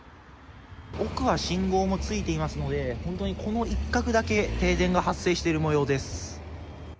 奥は信号もついていますので本当にこの一角だけ停電が発生している模様です。